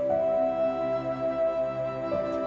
pesek air papi